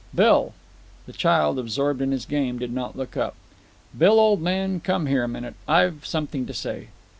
"Bill." The child, absorbed in his game, did not look up. "Bill, old man, come here a minute. I've something to say."